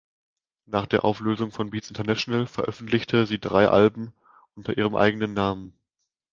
Nach der Auflösung von Beats International veröffentlichte sie drei Alben unter ihrem eigenen Namen.